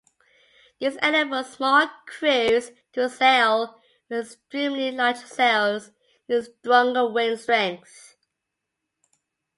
This enabled small crews to sail with extremely large sails in stronger wind strengths.